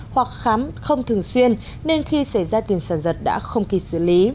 hoặc khám không thường xuyên nên khi xảy ra tiền sản giật đã không kịp xử lý